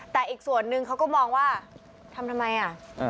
แต่อีกส่วนนึงเขาก็มองว่าทำทำไมอ่ะ